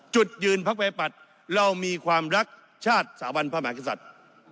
จุดยืนภักดิ์ไว้ปัดเรามีความรักชาติสาวรรค์พระมหากศัตริย์